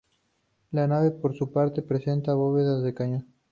La nave por su parte presenta bóveda de cañón.